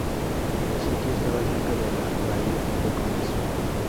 El sitio estaba cerca de la bahía de comercio.